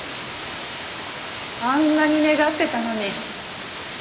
あんなに願ってたのに。